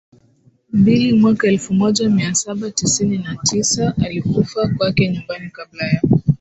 mbili mwaka elfu moja mia saba tisini na tisa alikufa kwake nyumbani Kabla ya